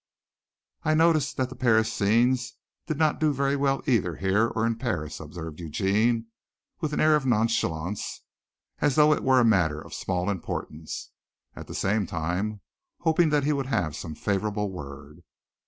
"I noticed that the Paris scenes did not do very well either here or in Paris," observed Eugene with an air of nonchalance, as though it were a matter of small importance, at the same time hoping that he would have some favorable word.